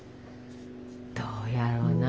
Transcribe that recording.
どうやろな。